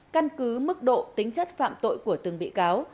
căn cứ mức độ tính chất phạm tội của từng bị cáo